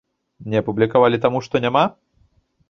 Не апублікавалі, таму што няма?